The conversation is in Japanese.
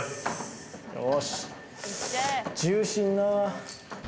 よし重心な